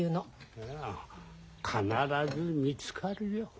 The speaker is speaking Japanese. いや必ず見つかるよ。